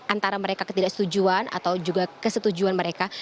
antara mereka ketidaksetujuan atau juga kesetujuan mereka